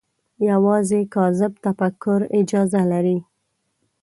یوازې کاذب تفکر اجازه لري